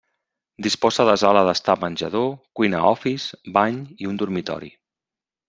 Disposa de sala d'estar menjador, cuina office, bany i un dormitori.